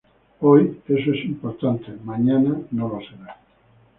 Hoy eso es importante, mañana no lo será".